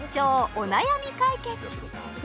お悩み解決やさ